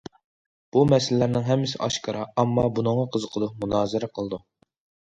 بۇ مەسىلىلەرنىڭ ھەممىسى ئاشكارا، ئامما بۇنىڭغا قىزىقىدۇ، مۇنازىرە قىلىدۇ.